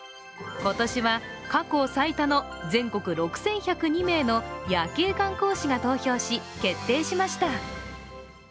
今年は過去最多の全国６１０２名の夜景観光士が投票し、決定しました